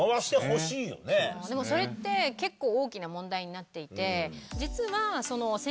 でもそれって結構大きな問題になっていて。